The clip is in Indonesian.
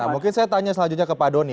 mungkin saya tanya selanjutnya ke pak doni